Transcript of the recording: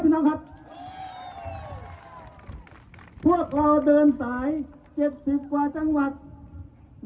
พี่น้องนึกถึงลุงโฮหรือโฮจิมินที่เขาชนะฝรั่งเศสและชนะอเมริกา